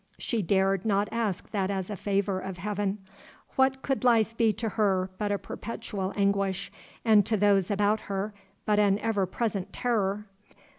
She dared not ask that as a favor of Heaven. What could life be to her but a perpetual anguish, and to those about her but an ever present terror?